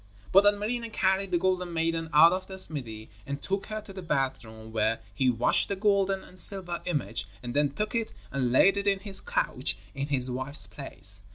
But Ilmarinen carried the golden maiden out of the smithy and took her to the bath room where he washed the golden and silver image and then took it and laid it in his couch, in his wife's place.